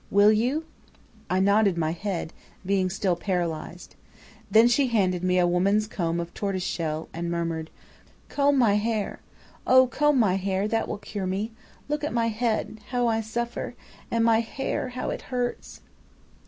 "'Will you?' "I nodded my head, being still paralyzed. "Then she handed me a woman's comb of tortoise shell, and murmured: "'Comb my hair! Oh, comb my hair! That will cure me. Look at my head how I suffer! And my hair how it hurts!'